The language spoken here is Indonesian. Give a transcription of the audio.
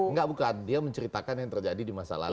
enggak bukan dia menceritakan yang terjadi di masa lalu